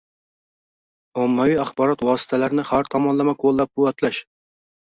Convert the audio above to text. Ommaviy axborot vositalarini har tomonlama qo‘llab-quvvatlash